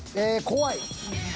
「怖い」。